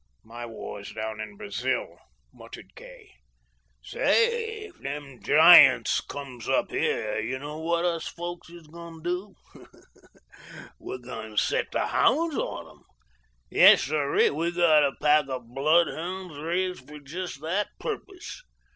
"My war's down in Brazil," muttered Kay. "Say, if them Giants comes up here yuh know what us folks is going to do? We're going to set the hounds on 'em. Yes, sirree, we've got a pack of bloodhounds, raised for jest that purpose.